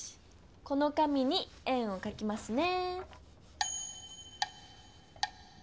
この紙に円をかきますね。